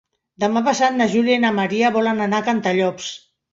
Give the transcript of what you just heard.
Demà passat na Júlia i na Maria volen anar a Cantallops.